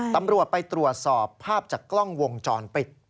ตำรวจไปตรวจสอบภาพจากกล้องวงจรปิด